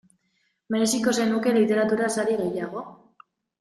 Mereziko zenuke literatura sari gehiago?